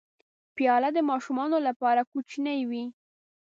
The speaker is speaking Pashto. پیاله د ماشومانو لپاره کوچنۍ وي.